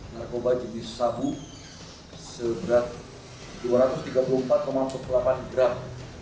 narkoba jenis sabu seberat dua ratus tiga puluh empat empat puluh delapan gram